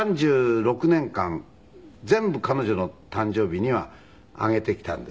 ３６年間全部彼女の誕生日にはあげてきたんです。